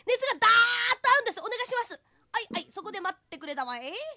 「はいはいそこでまってくれたまえ」。